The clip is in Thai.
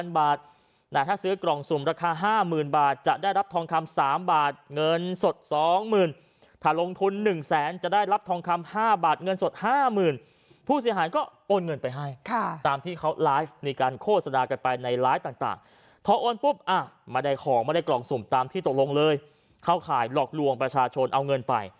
๕บาทเงินสด๕๐๐๐๐บาทผู้เสียหายก็โอนเงินไปให้ค่ะตามที่เขาไลฟ์มีการโฆษณากันไปในไลฟ์ต่างพอโอนปุ๊บอ่ะมาได้ของมาได้กล่องสุ่มตามที่ตกลงเลยเข้าข่ายหลอกลวงประชาชนเอาเงินไป